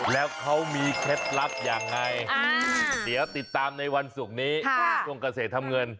แล้วเขามีเคล็ดลับยังไงเดี๋ยวติดตามในวันศุกร์นี้ช่วงเกษตรทำเงิน